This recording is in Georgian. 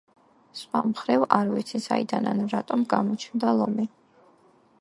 სხვა მხრივ, არ ვიცი, საიდან ან რატომ გამოჩნდა ლომი.